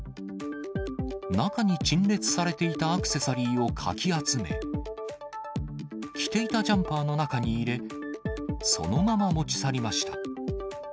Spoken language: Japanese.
中に陳列されていたアクセサリーをかき集め、着ていたジャンパーの中に入れ、そのまま持ち去りました。